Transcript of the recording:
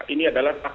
ini adalah taktik